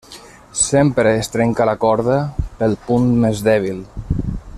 Sempre es trenca la corda pel punt més dèbil.